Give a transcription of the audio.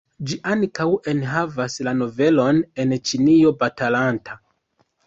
Ĝi ankaŭ enhavas la novelon "En Ĉinio batalanta".